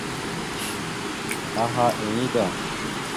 Aha ene da.